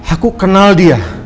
aku kenal dia